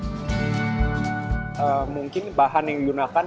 seperti bahan pembuatannya dan jenis gitar lainnya